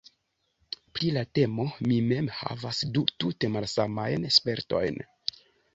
Pri la temo mi mem havas du tute malsamajn spertojn.